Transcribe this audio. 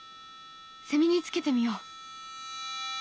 セミにつけてみよう。